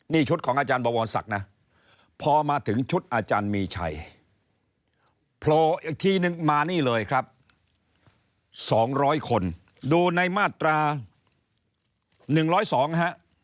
นี่ชุดของอาจารย์บวรศักดิ์นะพอมาถึงชุดอาจารย์มีชัยโผล่อีกทีนึงมานี่เลยครับ๒๐๐คนดูในมาตรา๑๐๒ฮะ